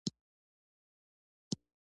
تاریخ تل ژوندی پاتې کېږي.